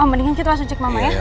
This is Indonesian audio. mendingan kita langsung cek mama ya